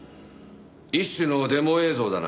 一種のデモ映像だな。